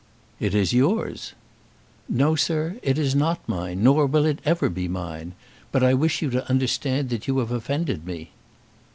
"It is yours." "No, sir; it is not mine, nor will it ever be mine. But I wish you to understand that you have offended me."